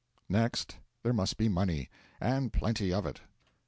Next, there must be money and plenty of it.